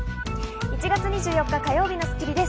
１月２４日、火曜日の『スッキリ』です。